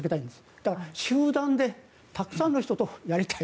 だから、集団でたくさんの人とやりたい。